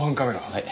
はい。